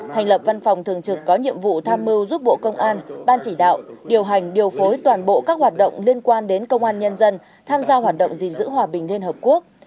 thành lập văn phòng thường trực có nhiệm vụ tham mưu giúp bộ công an ban chỉ đạo điều hành điều phối toàn bộ các hoạt động liên quan đến công an nhân dân tham gia hoạt động gìn giữ hòa bình liên hợp quốc